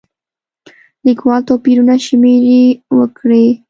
لیکوال توپیرونه شمېرې وکړي.